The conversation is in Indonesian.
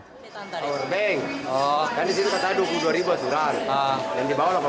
powerbank kan disini katanya rp dua puluh dua surat yang dibawa rp delapan puluh delapan